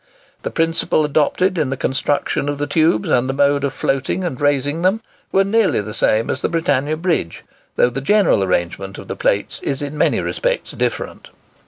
The principle adopted in the construction of the tubes, and the mode of floating and raising them, were nearly the same as at the Britannia Bridge, though the general arrangement of the plates is in many respects different.